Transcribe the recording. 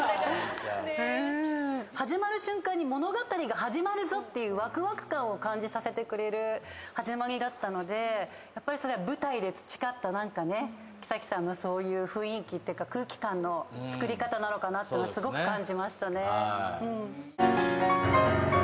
始まる瞬間に物語が始まるぞっていうわくわく感を感じさせてくれる始まりだったのでやっぱりそれは舞台で培った何かね綺咲さんのそういう雰囲気っていうか空気感のつくり方なのかなっていうのはすごく感じましたね。